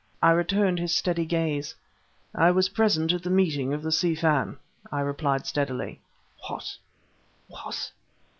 I returned his steady gaze. "I was present at the meeting of the Si Fan," I replied steadily. "What? What?